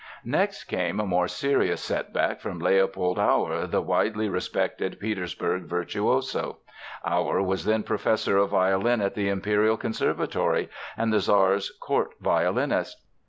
Next came a more serious setback from Leopold Auer, the widely respected Petersburg virtuoso. Auer was then professor of violin at the Imperial Conservatory and the Czar's court violinist.